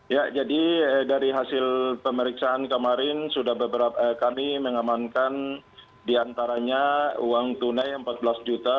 ya jadi dari hasil pemeriksaan kemarin kami mengamankan diantaranya uang tunai rp empat belas juta